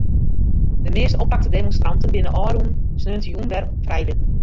De measte oppakte demonstranten binne ôfrûne saterdeitejûn wer frijlitten.